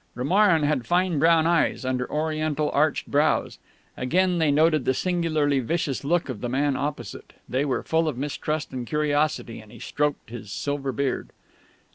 Romarin had fine brown eyes, under Oriental arched brows. Again they noted the singularly vicious look of the man opposite. They were full of mistrust and curiosity, and he stroked his silver beard.